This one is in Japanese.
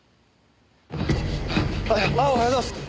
ああおはようございます。